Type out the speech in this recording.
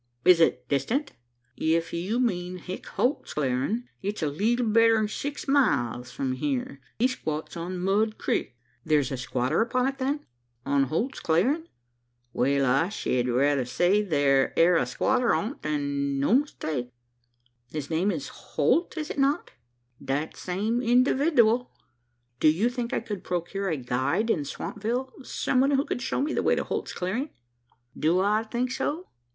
"Is it distant?" "If you mean Hick Holt's Clearin', it's a leetle better'n six miles from here. He squats on Mud Crik." "There's a squatter upon it, then?" "On Holt's Clearin'? Wal, I shed rayther say there air a squatter on't, an' no mistake." "His name is Holt is it not?" "That same individooal." "Do you think I could procure a guide in Swampville some one who could show me the way to Holt's Clearing?" "Do I think so?